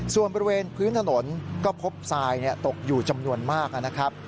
ส่วนบริเวณพื้นถนนก็พบทรายตกอยู่จำนวนมากนะครับ